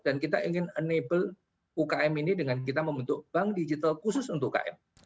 dan kita ingin enable ukm ini dengan kita membentuk bank digital khusus untuk ukm